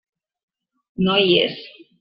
No hi és.